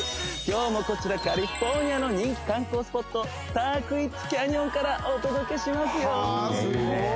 今日もこちらカリフォルニアの人気観光スポットタークイッツキャニオンからお届けしますよへえ